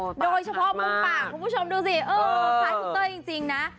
โดยเฉพาะมุมปากคุณผู้ชมดูสิเออคล้ายคุณเต้ยจริงนะ